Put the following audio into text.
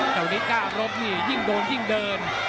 แต่วันนี้กล้ารบนี่ยิ่งโดนยิ่งเดิน